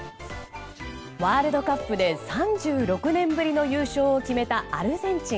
ワールドカップで３６年ぶりの優勝を決めたアルゼンチン。